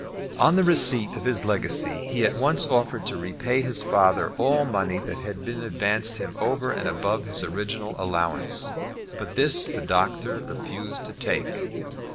On the receipt of his legacy he at once offered to repay his father all money that had been advanced him over and above his original allowance; but this the doctor refused to take.